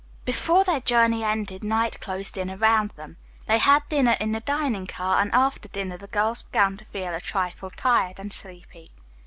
Before their journey ended night closed in around them. They had dinner in the dining car, and after dinner the girls began to feel a trifle tired and sleepy.